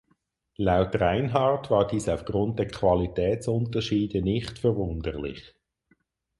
Laut Reinhardt war dies aufgrund der Qualitätsunterschiede nicht verwunderlich.